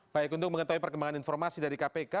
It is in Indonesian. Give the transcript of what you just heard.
baik untuk mengetahui perkembangan informasi dari kpk